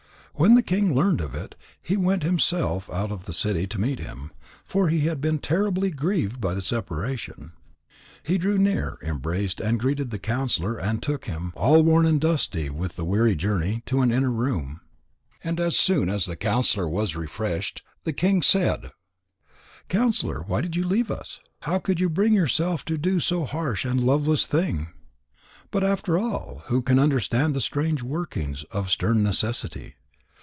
When the king learned of it, he went himself out of the city to meet him, for he had been terribly grieved by the separation. He drew near, embraced and greeted the counsellor and took him, all worn and dusty with the weary journey, into an inner room. And as soon as the counsellor was refreshed, the king said: "Counsellor, why did you leave us? How could you bring yourself to do so harsh and loveless a thing? But after all, who can understand the strange workings of stern necessity?